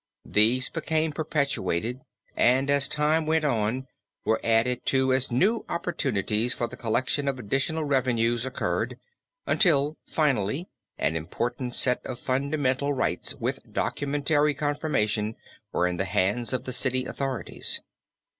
These became perpetuated and as time went on were added to as new opportunities for the collection of additional revenues occurred, until finally an important set of fundamental rights with documentary confirmation were in the hands of the city authorities.